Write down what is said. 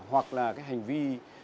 hoặc là cái hành vi